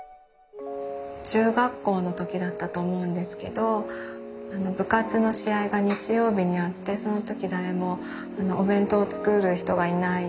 中学校の時だったと思うんですけど部活の試合が日曜日にあってその時誰もお弁当を作る人がいない。